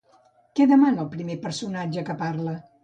Què demana el primer personatge que parla?